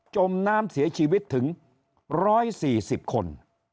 จมน้ำเสียชีวิตถึง๑๔๐คน